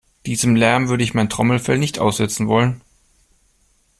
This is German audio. Diesem Lärm würde ich mein Trommelfell nicht aussetzen wollen.